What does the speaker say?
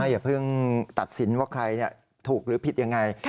อย่าเพิ่งตัดสินว่าใครถูกหรือผิดยังไง